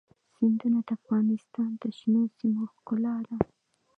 سیندونه د افغانستان د شنو سیمو ښکلا ده.